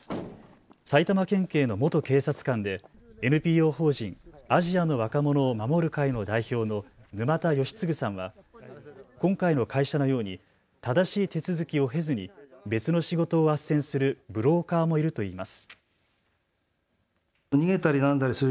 埼玉県警の元警察官でＮＰＯ法人アジアの若者を守る会の代表の沼田惠嗣さんは今回の会社のように正しい手続きを経ずに別の仕事をあっせんするブローカーもいるといいます。